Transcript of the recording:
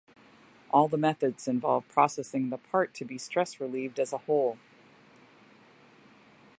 All the methods involve processing the part to be stress relieved as a whole.